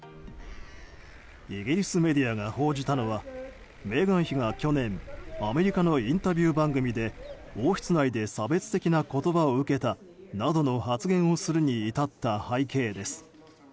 イギリスメディアが報じたのはメーガン妃が去年アメリカのインタビュー番組で王室内で差別的な言葉を受けたなどの発言をするに至った背景です。